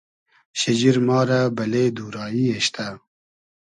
شیجیر ما رۂ بئلې دو رایی اېشتۂ